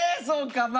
そうか。